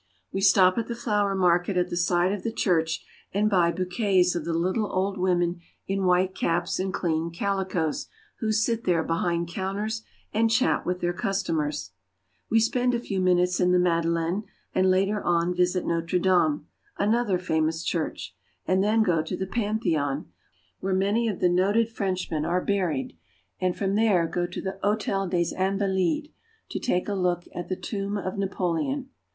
We stop at the flower market at the side of the church, and buy bouquets of the little old women in white caps and clean calicoes who sit there behind counters and chat with their customers. We spend a few minutes in the Madeleine and later on visit Notre Dame, another famous church, and then go to Notre Dame. HOW FRANCE IS GOVERNED. 121 the Pantheon, where many of the noted Frenchmen are buried, and from there go to the Hotel des Invalides (o tel' da zaN va led') to take a look at the tomb of Napoleon.